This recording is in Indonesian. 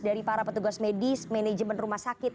dari para petugas medis manajemen rumah sakit